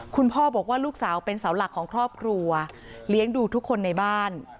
คุณพ่อบอกว่าลูกสาวเป็นเสาหลักของครอบครัวเลี้ยงดูทุกคนในบ้าน